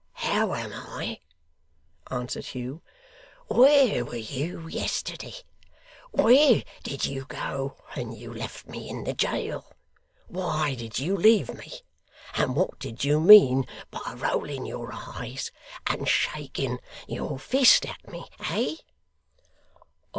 'How am I?' answered Hugh. 'Where were you yesterday? Where did you go when you left me in the jail? Why did you leave me? And what did you mean by rolling your eyes and shaking your fist at me, eh?